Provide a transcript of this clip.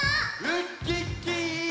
ウッキッキー！